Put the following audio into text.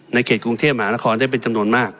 เขตกรุงเทพมหานครได้เป็นจำนวนมาก